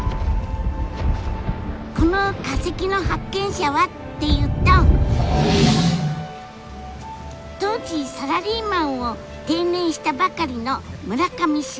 この化石の発見者はっていうと当時サラリーマンを定年したばかりの村上茂さん。